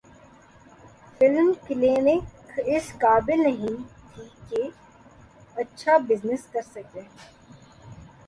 film Kalank اس قابل نہیں تھی کہ اچھا بزنس کرسکے